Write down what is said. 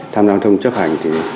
tham gia giao thông chấp hành